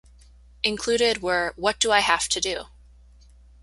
Included were What Do I Have to Do?